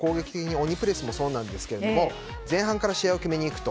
鬼プレスもそうなんですが前半から試合を決めにいくと。